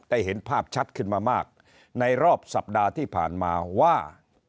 เห็นภาพชัดขึ้นมามากในรอบสัปดาห์ที่ผ่านมาว่า